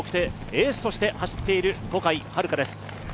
エースとして走っている小海遥です。